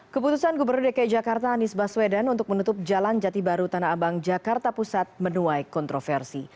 keputusan gubernur dki jakarta anies baswedan untuk menutup jalan jati baru tanah abang jakarta pusat menuai kontroversi